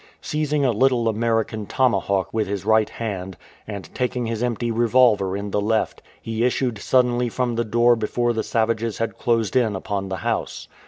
Seizing a little American tomahawk with his right hand, and taking his empty revolver in the left, he issued suddenly from the door before the savages had closed in upon the house.